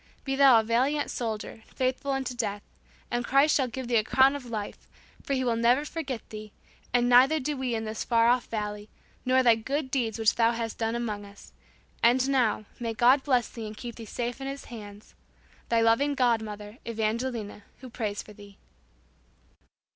Be thou a valiant soldier, faithful unto death, and Christ shall give thee the crown of life, for He will never forget thee, and neither do we in this far off valley, nor thy good deeds which thou hast done amongst us. And now, may God bless thee and keep thee safe in His hands.... Thy loving godmother, Evangelina, who prays for thee."